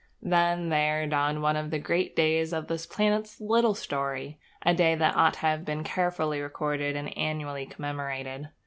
Then there dawned one of the great days of this planet's little story, a day that ought to have been carefully recorded and annually commemorated.